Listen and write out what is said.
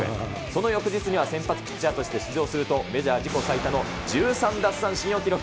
その翌日には先発ピッチャーとして出場するとメジャー自己最多の１３奪三振を記録。